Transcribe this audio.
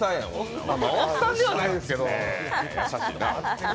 おっさんではないですけど。